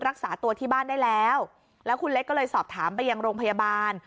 รักษาตัวที่บ้านได้แล้วแล้วคุณเล็กก็เลยสอบถามไปยังโรงพยาบาล